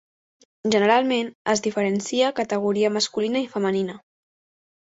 Generalment es diferencia categoria masculina i femenina.